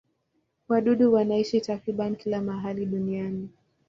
Wadudu wanaishi takriban kila mahali duniani.